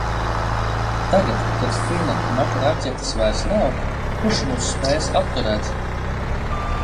Tagad, kad Fina Makraķetes vairs nav, kurš mūs spēs apturēt?